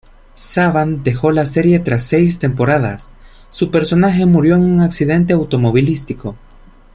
Savant dejó la serie tras seis temporadas; su personaje murió en un accidente automovilístico.